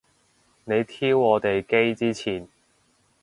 你挑我哋機之前